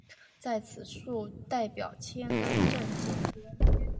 在此处代表申根签证。